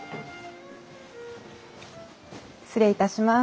失礼いたします。